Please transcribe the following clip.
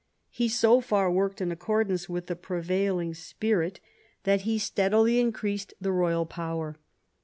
He so far worked in accordance with the prevailing spirit that he steadily increased the royal power.